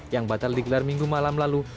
yang batal digelar minggu malam lalu